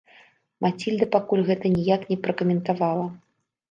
Мацільда пакуль гэта ніяк не пракаментавала.